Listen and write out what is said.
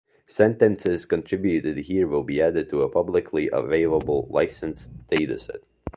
Sentences contributed here will be added to a publicly available licensed dataset.